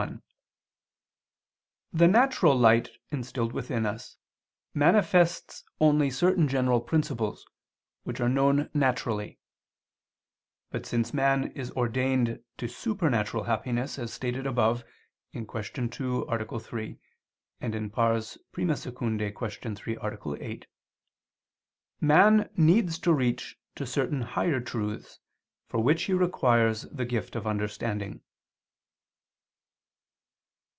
1: The natural light instilled within us, manifests only certain general principles, which are known naturally. But since man is ordained to supernatural happiness, as stated above (Q. 2, A. 3; I II, Q. 3, A. 8), man needs to reach to certain higher truths, for which he requires the gift of understanding.